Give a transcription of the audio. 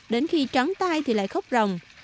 đến khi trắng tay thì lại khóc rồng